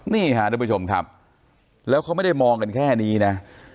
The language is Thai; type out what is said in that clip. นี่ค่ะทุกผู้ชมครับแล้วเขาไม่ได้มองกันแค่นี้นะ